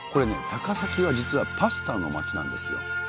高崎は実はパスタの街なんですよ。